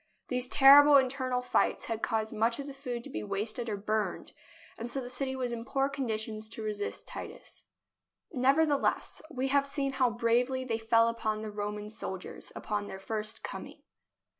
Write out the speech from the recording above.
These terrible internal fights had caused much of the food to be wasted or burned, and so the city was in poor condition to resist Titus. Nevertheless, we have seen how bravely they fell upon the Roman soldiers upon their first coming.